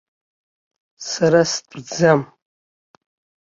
Сара стәӡам!